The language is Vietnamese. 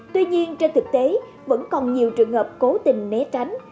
tuy nhiên trên thực tế vẫn còn nhiều trường hợp cố tình né tránh